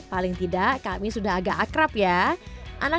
paling tidak kami sudah agak akrab ya